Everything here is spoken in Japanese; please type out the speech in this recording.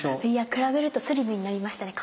比べるとスリムになりましたね